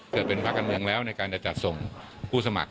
เกิดเป็นภาคการเมืองแล้วในการจะจัดส่งผู้สมัคร